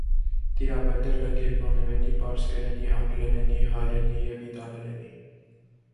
Տիրապետել է գերմաներենի, պարսկերենի, անգլերենի, հայերենի և իտալերենի։